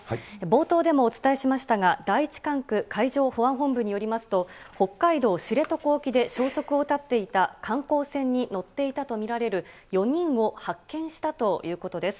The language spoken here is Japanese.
冒頭でもお伝えしましたが、第１管区海上保安本部によりますと、北海道知床沖で消息を絶っていた観光船に乗っていたと見られる４人を発見したということです。